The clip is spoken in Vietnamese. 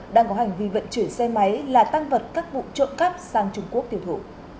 đang có hành vi vận chuyển xe máy là tăng vật các vụ trộm cắp sang trung quốc tiêu thụ